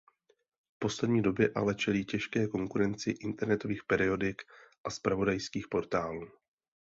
V poslední době ale čelí těžké konkurenci internetových periodik a zpravodajských portálů.